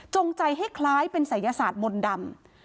ใจให้คล้ายเป็นศัยศาสตร์มนต์ดำ